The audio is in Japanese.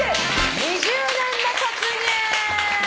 ２０年目突入！